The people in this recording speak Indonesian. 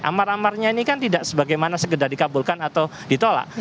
amar amarnya ini kan tidak sebagaimana segera dikabulkan atau ditolak